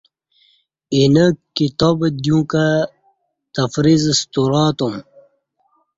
اینه کتاب دیو کں تقریض ستراتُم